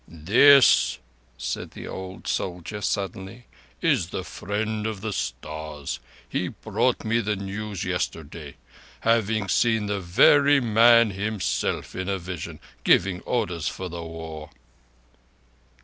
"This." said the old soldier suddenly, "is the Friend of the Stars. He brought me the news yesterday. Having seen the very man Himself, in a vision, giving orders for the war."